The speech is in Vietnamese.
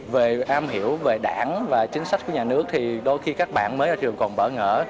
về am hiểu về đảng và chính sách của nhà nước thì đôi khi các bạn mới ra trường còn bỡ ngỡ